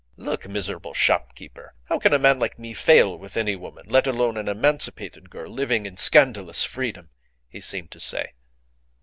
"Look, miserable shopkeeper! How can a man like me fail with any woman, let alone an emancipated girl living in scandalous freedom?" he seemed to say.